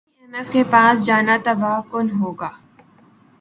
ئی M F کے پاس جانا تباہ کن ہوگا